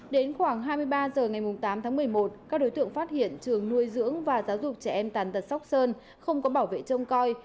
đến khoảng hai mươi ba h ngày tám tháng một mươi một các đối tượng phát hiện trường nuôi dưỡng và giáo dục trẻ em tàn tật sóc sơn không có bảo vệ trông coi